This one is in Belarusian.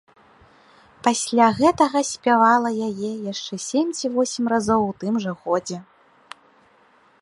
Пасля гэтага спявала яе яшчэ сем ці восем разоў у тым жа годзе.